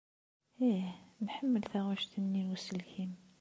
Ih, nḥemmel taɣect-nni n uselkim!